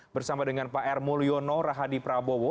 bersama dengan pak r mulyono rahadi prabowo